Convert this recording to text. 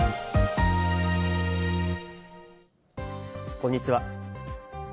こんにちは。